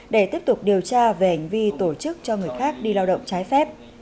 để tiếp tục điều tra về hành vi tổ chức cho người khác đi lao động trái phép